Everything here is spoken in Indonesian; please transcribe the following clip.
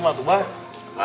mah tuh mbak